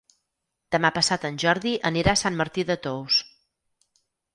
Demà passat en Jordi anirà a Sant Martí de Tous.